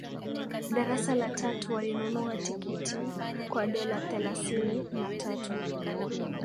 darasa la tatu walinunua tikiti kwa dola thelasini na tatu